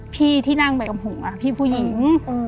พี่ที่นั่งไปกับหัวพี่ผู้หญิง